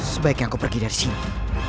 sebaiknya kau pergi dari sini